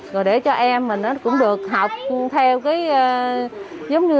rồi để cho em mình cũng được học